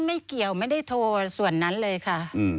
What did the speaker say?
ไม่เกี่ยวไม่ได้โทรส่วนนั้นเลยค่ะ